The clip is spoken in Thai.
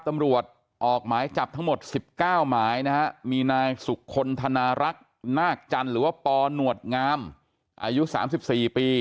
ตำรวจออกหมายจับทั้งหมด๑๙หมายนะฮะมีนายสุขคลธนารักษ์นาคจันทร์หรือว่าปหนวดงามอายุ๓๔ปี